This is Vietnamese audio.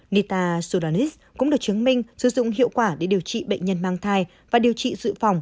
nita soranis cũng được chứng minh sử dụng hiệu quả để điều trị bệnh nhân mang thai và điều trị dự phòng